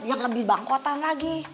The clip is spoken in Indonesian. yang lebih bangkotan lagi